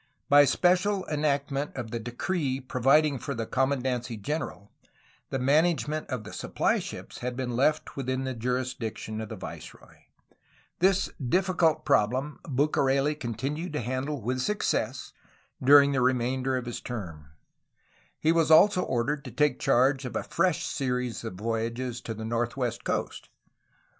By special enactment of the decree providing for the commandancy general, the management of the supply ships had been left within the jurisdiction of the viceroy. This difficult problem Bucareli continued to handle with success 1 See p. 272. I 328 A HISTORY OF CALIFORNIA during the remainder of his term. He was also ordered to take charge of a fresh series of voyages to the northwest coast.